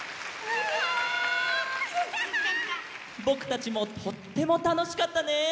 ぼくたちもとってもたのしかったね！